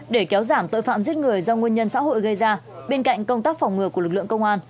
để kéo giảm tội phạm giết người do nguyên nhân xã hội gây ra bên cạnh công tác phòng ngừa của lực lượng công an